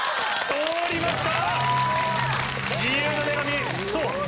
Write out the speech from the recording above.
通りました。